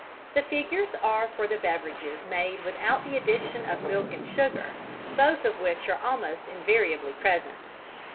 The figures are for the beverages made without the addition of milk and sugar, both of which are almost invariably present.